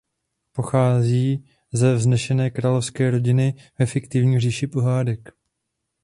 Pochází ze vznešené královské rodiny ve fiktivní Říši pohádek.